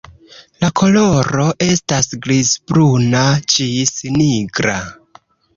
La koloro estas grizbruna ĝis nigra.